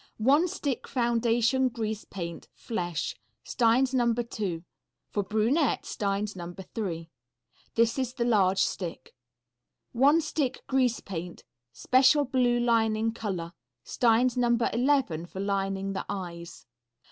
One Stick Foundation Grease Paint, Flesh. Stein's No. 2. (For brunettes, Stein's No. 3.) This is the large stick. One Stick Grease Paint, Special Blue Lining Color. Stein's No. 11. For lining the eyes.